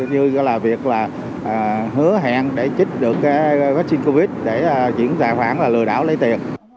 như là việc là hứa hẹn để chích được cái vaccine covid để chuyển tài khoản là lừa đảo lấy tiền